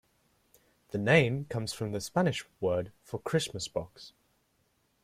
The name comes from the Spanish word for "Christmas box".